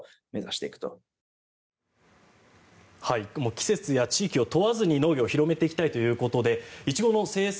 季節や地域を問わずに農業を広めていきたいということでイチゴの生産